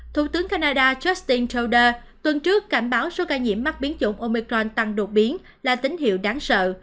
thủ tướng canada justin trudea tuần trước cảnh báo số ca nhiễm biến chủng omicron tăng đột biến là tín hiệu đáng sợ